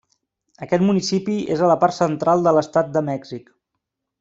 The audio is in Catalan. Aquest municipi és a la part central de l'estat de Mèxic.